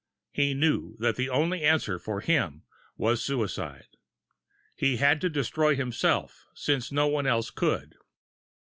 He knew that the only answer for him was suicide. He had to destroy himself, since no one else could!